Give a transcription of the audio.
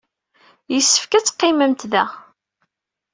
Yessefk ad teqqimemt da.